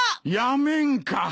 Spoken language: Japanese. やめんか！